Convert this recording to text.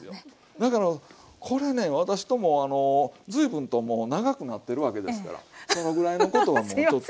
だからこれね私ともあの随分ともう長くなってるわけですからそのぐらいのことはもうちょっと。